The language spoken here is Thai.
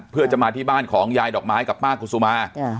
เพื่อจะมาที่บ้านของยายดอกไม้กับป้ากุศุมา